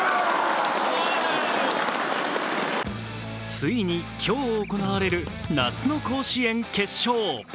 ついに今日、行われる夏の甲子園決勝。